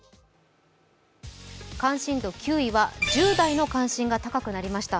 関心度９位は１０代の関心が高くなりました。